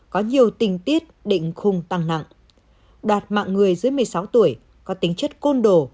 có nhiều tình tiết định khung tăng nặng đoạt mạng người dưới một mươi sáu tuổi có tính chất côn đồ